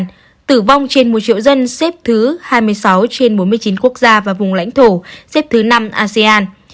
tổng số ca tử vong trên một triệu dân xếp thứ hai mươi sáu trên bốn mươi chín quốc gia và vùng lãnh thổ xếp thứ năm asean